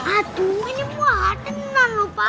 aduh ini muat tenang lho pak